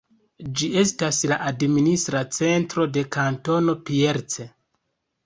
Ĝi estas la administra centro de Kantono Pierce.